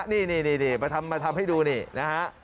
นี่มาทำให้ดูนี่นะฮะ